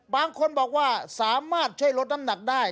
บางคนบอกว่าสามารถช่วยลดน้ำหนักได้